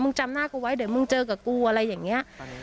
จำหน้ากูไว้เดี๋ยวมึงเจอกับกูอะไรอย่างนี้